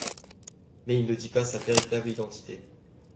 Mais il ne dit pas sa véritable identité.